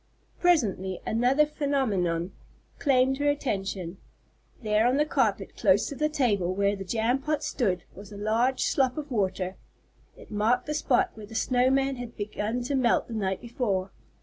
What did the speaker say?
Presently another phenomenon claimed her attention. There on the carpet, close to the table where the jam pot stood, was a large slop of water. It marked the spot where the snow man had begun to melt the night before.